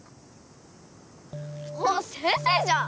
あっ先生じゃん！